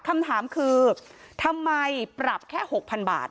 คำถามคือทำไมปรับแค่๖๐๐๐บาท